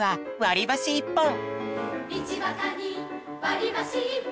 「わりばしいっぽん」